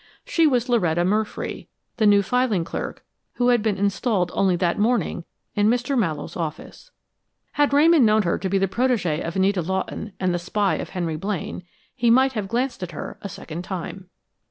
She was Loretta Murfree, the new filing clerk who had been installed only that morning in Mr. Mallowe's office. Had Ramon known her to be the protégée of Anita Lawton and the spy of Henry Blaine, he might have glanced at her a second time.